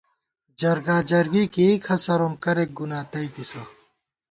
جرگا جرگی کېئ کھسَروم کرېک گُنا تئیتِسہ